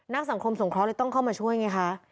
นักสังคมสงเคราะห์เลยต้องเข้ามาช่วยไงคะ